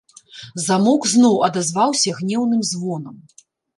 Замок зноў адазваўся гнеўным звонам.